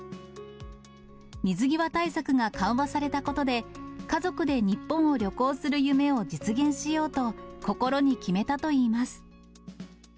水際対策が緩和されたことで、家族で日本を旅行する夢を実現しようと、心に決めたといいます。